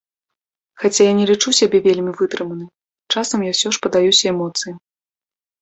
Хаця я не лічу сябе вельмі вытрыманай, часам я ўсё ж паддаюся эмоцыям.